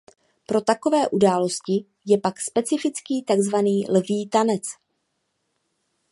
Pro takové události je pak specifický takzvaný lví tanec.